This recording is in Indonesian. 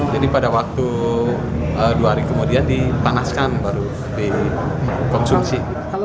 jadi pada waktu dua hari kemudian dipanaskan baru dikonsumsi